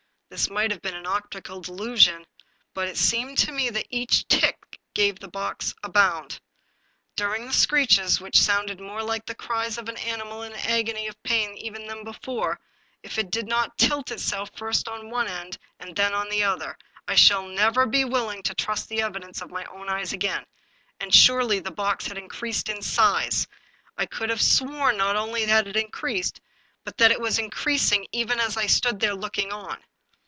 This might have been an optical delusion, but it seemed to me that at each tick the box gave a little bound. Dur ing the screeches — which sounded more like the cries of an animal in an agony of pain even than before — if it did not tilt itself first on one end, and then on another, I shall never be willing to trust the evidence of my own eyes again. And surely the box had increased in size ; I could 250 The Puzzle have sworn not only that it had increased, but that it was increasing, even as I stood there looking on.